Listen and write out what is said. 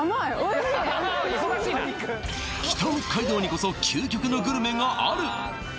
北海道にこそ究極のグルメがある３０００